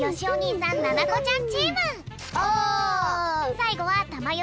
さいごはたまよ